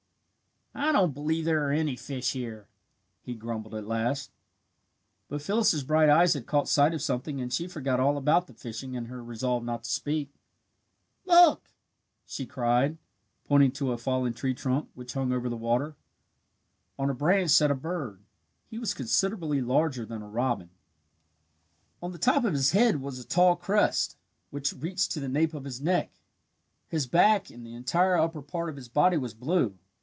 "I don't believe there are any fish here," he grumbled at last. But Phyllis's bright eyes had caught sight of something and she forgot all about the fishing and her resolve not to speak. "Look!" she cried, pointing to a fallen tree trunk which hung over the water. On a branch sat a bird. He was considerably larger than a robin. [Illustration: "On a branch sat a bird. He was considerably larger than a robin"] On the top of his head was a tall crest, which reached to the nape of his neck. His back and the entire upper part of his body was blue.